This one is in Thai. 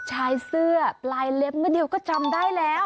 ชายเสื้อปลายเล็บนิดเดียวก็จำได้แล้ว